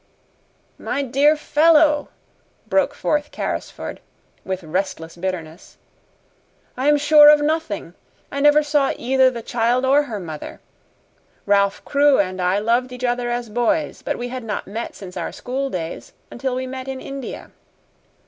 "My dear fellow," broke forth Carrisford, with restless bitterness, "I am SURE of nothing. I never saw either the child or her mother. Ralph Crewe and I loved each other as boys, but we had not met since our school days, until we met in India.